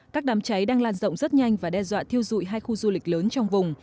các đám cháy đang lan rộng rất nhanh và đe dọa thiêu dụi hai khu du lịch lớn trong vùng